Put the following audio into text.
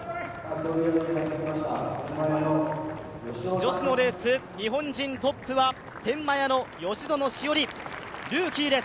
女子のレース、日本人トップは天満屋の吉薗栞、ルーキーです。